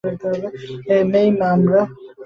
মেই, আমরা।